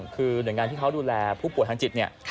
คือหน่วยงานที่เขาดูแลผู้ป่วยทางจิตเนี่ย